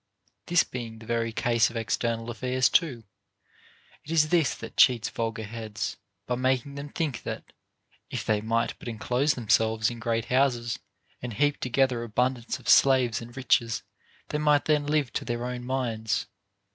This being the very case of external aifairs too, it is this that cheats vulgar heads, by making them think that, if they might but enclose themselves in great houses and heap together abundance of slaves and riches, they might then live to their own minds.